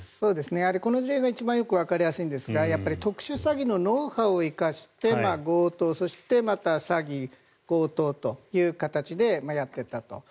この事例が一番よくわかりやすいんですが特殊詐欺のノウハウを生かして強盗そしてまた詐欺、強盗という形でやっていったと。